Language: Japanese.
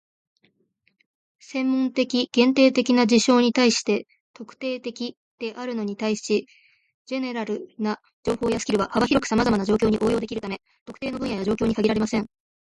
専門的、限定的な事象に対して「特定的」であるのに対し、"general" な情報やスキルは幅広くさまざまな状況に応用できるため、特定の分野や状況に限られません。